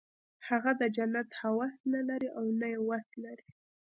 هغه د جنت هوس نه لري او نه یې وس لري